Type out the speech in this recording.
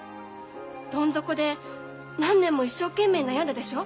どん底で何年も一生懸命悩んだでしょ？